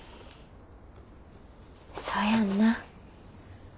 そうやんな。